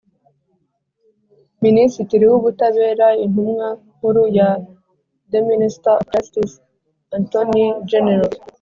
Minisitiri w Ubutabera Intumwa nkuru ya The Minister of justice Attorney general